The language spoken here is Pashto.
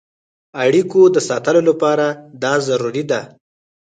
اړیکو د ساتلو لپاره دا ضروري ده.